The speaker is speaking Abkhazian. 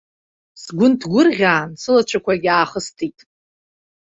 Сгәы нҭгәырӷьаан, сылацәақәагьы аахыстит.